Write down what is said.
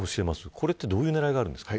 これは、どういう狙いがあるんですか。